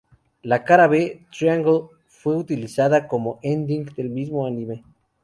La cara B triangle fue utilizada como ending del mismo anime.